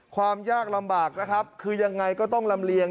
ความยากลำบากนะครับคือยังไงก็ต้องลำเลียง